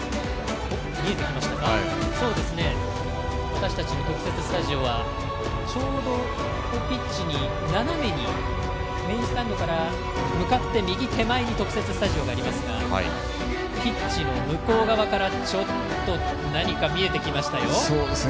私たちの特設スタジオはちょうど、ピッチに斜めにメインスタンドから向かって右手前に特設スタジオがありますがピッチの向こう側からちょっと何か見えてきましたよ。